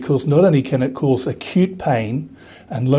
tapi juga bisa menyebabkan sakit panjang juga